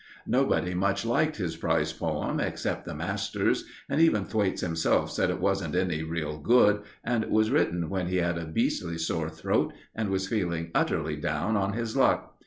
Nobody much liked his prize poem except the masters, and even Thwaites himself said it wasn't any real good, and was written when he had a beastly sore throat and was feeling utterly down on his luck.